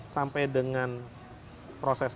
sampai dengan proses